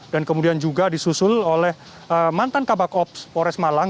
dan kemudian juga disusul oleh mantan kabak ops pores malang